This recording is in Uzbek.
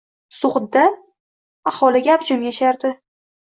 Sug‘dda aholi gavjum yashardi.